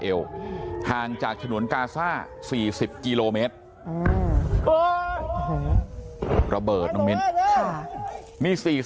พวกมันกลับมาเมื่อเวลาที่สุดพวกมันกลับมาเมื่อเวลาที่สุด